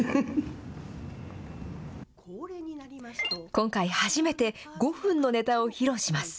今回初めて、５分のネタを披露します。